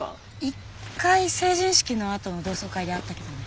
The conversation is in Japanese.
一回成人式のあとの同窓会で会ったけどね。